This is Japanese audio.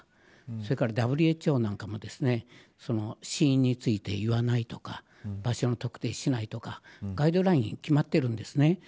それからＷＨＯなんかも死因について言わないとか場所の特定をしないとかガイドラインが決まってるんですね。